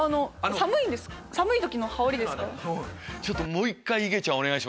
寒い時の羽織ですか？